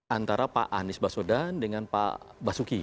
antara pak anies baswedan dengan pak basuki